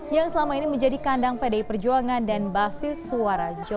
yang selama ini menjadi kandang pdi perjuangan dan basis suara jawa